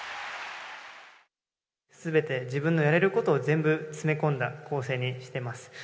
すべて自分のやれることを全部詰め込んだ構成にしてます。